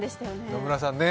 野村さんね。